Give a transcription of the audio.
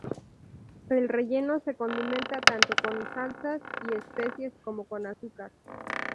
El relleno se condimenta tanto con salsas y especias como con azúcar.